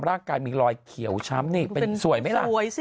ร่างกายมีรอยเขียวช้ำนี่เป็นสวยไหมล่ะสวยสิ